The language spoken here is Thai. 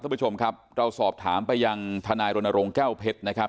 คุณผู้ชมครับเราสอบถามไปยังทนายรณรงค์แก้วเพชรนะครับ